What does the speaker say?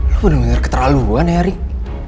lo bener bener keterlaluan ya ring